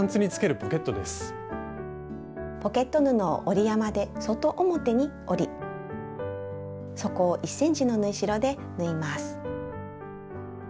ポケット布を折り山で外表に折り底を１ｃｍの縫い代で縫います。